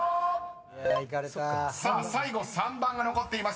［さあ最後３番が残っていますが］